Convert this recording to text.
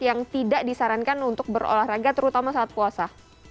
yang tidak disarankan untuk berolahraga terutama saat puasa